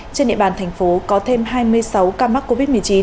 trên địa bàn thành phố có thêm hai mươi sáu ca mắc covid một mươi chín